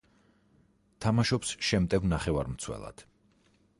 თამაშობს შემტევ ნახევარმცველად.